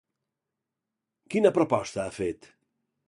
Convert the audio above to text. Quina proposta ha fet?